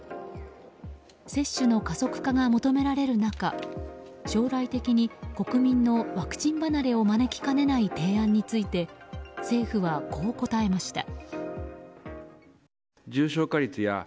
接種の加速化が求められる中将来的に国民のワクチン離れを招きかねない提案について政府はこう答えました。